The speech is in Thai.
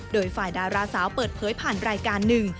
โดยฝ่ายดาราสาวเปิดเผยผ่านรายการหนึ่ง